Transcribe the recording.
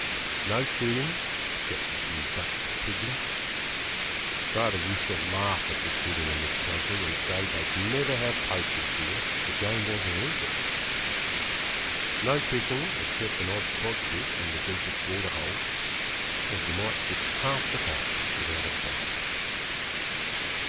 No shooting, except a few ducks and pigeons. Father used to laugh at the shooting in this country, and say they'd never have poachers here the game wasn't worth it. No fishing, except an odd codfish, in the deepest waterholes; and you might sit half a day without a bite.